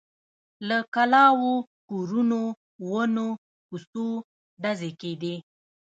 له کلاوو، کورونو، ونو، کوڅو… ډزې کېدې.